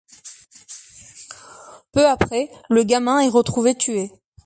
Peu après, le gamin est retrouvé tué.